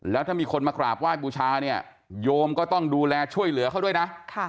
แล้วถ้ามีคนมากราบไหว้บูชาเนี่ยโยมก็ต้องดูแลช่วยเหลือเขาด้วยนะ